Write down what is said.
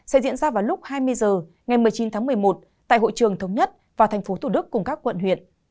sẽ diễn ra vào lúc hai mươi h ngày một mươi chín tháng một mươi một tại hội trường thống nhất và tp tqhqh